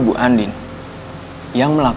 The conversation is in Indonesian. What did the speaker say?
jangan aku rusak